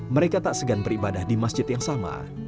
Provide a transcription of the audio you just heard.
mereka tak segan beribadah di masjid yang sama